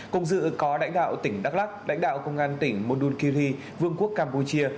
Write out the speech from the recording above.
cùng dự có đảnh đạo tỉnh đắk lắc đảnh đạo công an tỉnh môn đun kỳ vương quốc campuchia